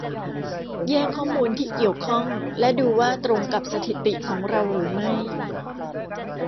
แยกข้อมูลที่เกี่ยวข้องและดูว่าตรงกับสถิติของเราหรือไม่